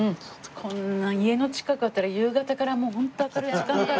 こんなん家の近くにあったら夕方からもうホント明るい時間から。